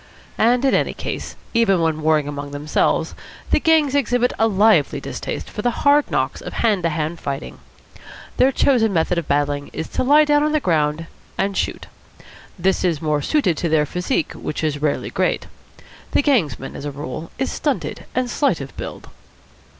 And, in any case, even when warring among themselves, the gangs exhibit a lively distaste for the hard knocks of hand to hand fighting. Their chosen method of battling is to lie down on the ground and shoot. This is more suited to their physique, which is rarely great. The gangsman, as a rule, is stunted and slight of build.